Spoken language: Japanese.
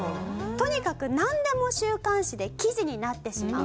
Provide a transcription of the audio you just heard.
とにかくなんでも週刊誌で記事になってしまう。